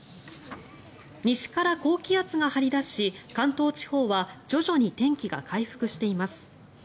西から高気圧が張り出し関東地方は徐々に天気が回復しています。